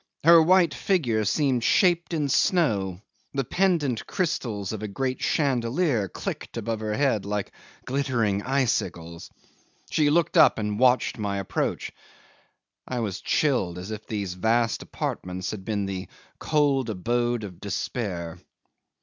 Her white figure seemed shaped in snow; the pendent crystals of a great chandelier clicked above her head like glittering icicles. She looked up and watched my approach. I was chilled as if these vast apartments had been the cold abode of despair.